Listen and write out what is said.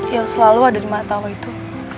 yang selalu ada di mata lo itu